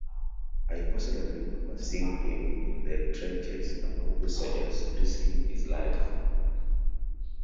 I personally remember seeing him in the trenches among the soldiers, risking his life.